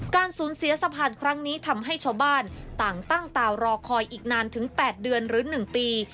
การสูญเสียสะพานครั้งนี้ทำให้ชาวบ้านต่างตั้งตารอคอยอีกนานถึง๘เดือนหรือ๑ปี